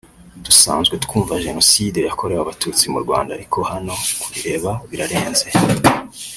dusanzwe twumva Jenoside yakorewe abatutsi mu Rwanda ariko hano kubireba birarenze